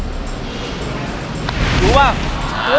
จริงเหรอ